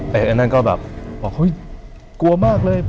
แต่อันนั้นก็แบบบอกเฮ้ยกลัวมากเลย